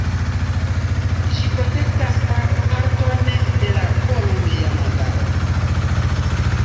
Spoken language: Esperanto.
Ĝi protektas parton de la Kolumbia Montaro.